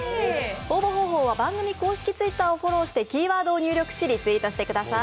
応募方法は番組公式Ｔｗｉｔｔｅｒをフォローしてキーワードを入力しリツイートしてください。